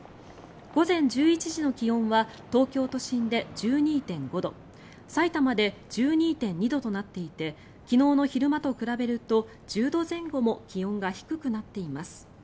午前１１時の気温は東京都心で１２．５度さいたまで１２．２度となっていて昨日の昼間と比べると１０度前後も気温が低くなっています。